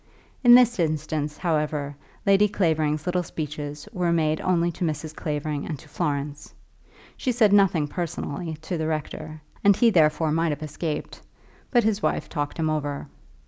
In this instance, however, Lady Clavering's little speeches were made only to Mrs. Clavering and to Florence. She said nothing personally to the rector, and he therefore might have escaped. But his wife talked him over.